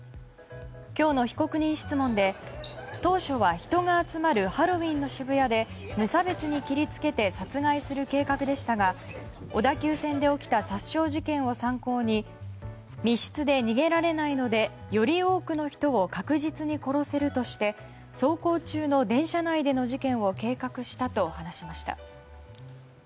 今日の被告人質問で当初は、人が集まるハロウィーンの渋谷で無差別に切りつけて殺害する計画でしたが小田急線で起きた殺傷事件を参考に密室で逃げられないのでより多くの人を確実に殺せるとして走行中の電車内での事件を計画したと話しました。